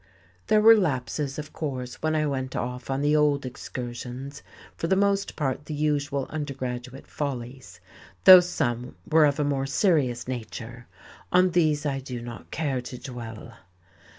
There were lapses, of course, when I went off on the old excursions, for the most part the usual undergraduate follies, though some were of a more serious nature; on these I do not care to dwell.